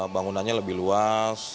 bangunannya lebih luas